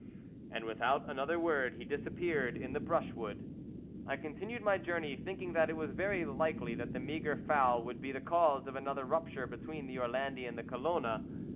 And without another word he disappeared in the brushwood. I continued my journey thinking that it was very likely that the meagre fowl would be the cause of another rupture between the Orlandi and the Colona.